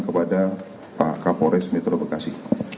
kepada pak kapolres metro bekasi